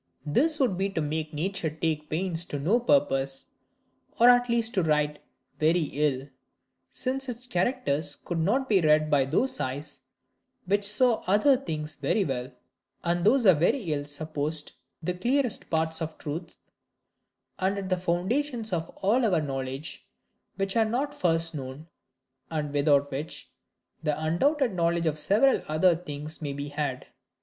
This would be to make nature take pains to no purpose; or at least to write very ill; since its characters could not be read by those eyes which saw other things very well: and those are very ill supposed the clearest parts of truth, and the foundations of all our knowledge, which are not first known, and without which the undoubted knowledge of several other things may be had.